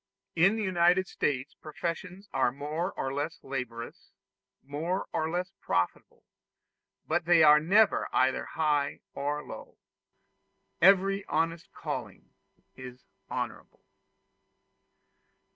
In the United States professions are more or less laborious, more or less profitable; but they are never either high or low: every honest calling is honorable.